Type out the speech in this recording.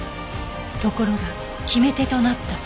ところが決め手となったその証拠が